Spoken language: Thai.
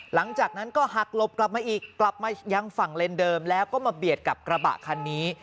หลังจากนั้นก็หักหลบกลับมาอีกกลับมายังฝั่งเลนเดิมแล้วก็มาเบียดกับกระบะคันนี้